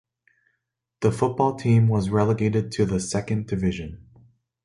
The football team was relegated to the second division.